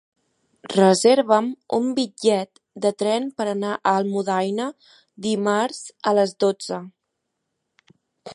Reserva'm un bitllet de tren per anar a Almudaina dimarts a les dotze.